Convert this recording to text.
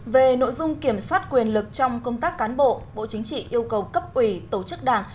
về nội dung kiểm soát quyền lực trong công tác cán bộ bộ chính trị yêu cầu cấp ủy tổ chức đảng